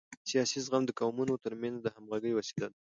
سیاسي زغم د قومونو ترمنځ د همغږۍ وسیله ده